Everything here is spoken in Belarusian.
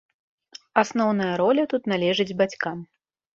Асноўная роля тут належыць бацькам.